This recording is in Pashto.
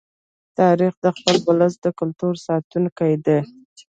تاریخ د خپل ولس د کلتور ساتونکی دی.